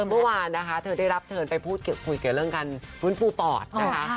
เมื่อวานเธอได้รับเชิญไปพูดเกี่ยวเรื่องกันรุ่นฟูตอดนะคะ